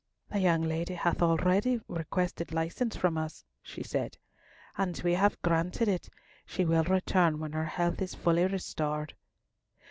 "The young lady hath already requested license from us," she said, "and we have granted it. She will return when her health is fully restored."